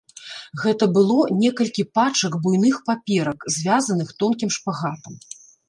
Гэта было некалькі пачак буйных паперак, звязаных тонкім шпагатам.